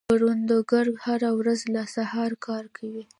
کروندګر هره ورځ له سهاره کار کوي